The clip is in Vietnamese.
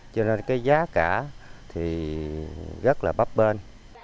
cho nên cái giá cả thì rất là bắp bên